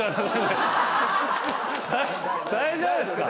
大丈夫ですか？